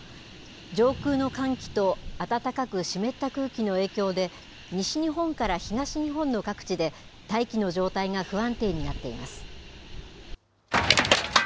上空の寒気と暖かく湿った空気の影響で、西日本から東日本の各地で、大気の状態が不安定になっています。